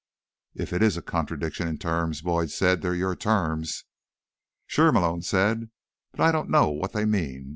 "If it is a contradiction in terms," Boyd said, "they're your terms." "Sure," Malone said. "But I don't know what they mean.